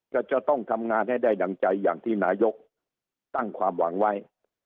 ก็จะต้องทำงานให้ได้ดั่งใจอย่างที่นายกตั้งความหวังไว้